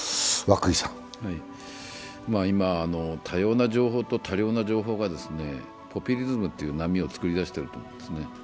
今、多様な情報と多量な情報がポピュリズムという波を作り出していると思うんですね。